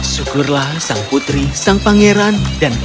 syukurlah sang putri sang pangeran dan teman arab itu